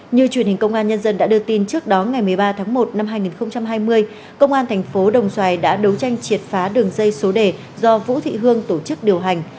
như truyền hình công an nhân dân đã đưa tin trước đó ngày một mươi ba tháng một năm hai nghìn hai mươi công an thành phố đồng xoài đã đấu tranh triệt phá đường dây số đề do vũ thị hương tổ chức điều hành